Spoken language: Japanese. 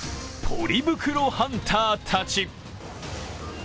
ポリ袋ハンターたち。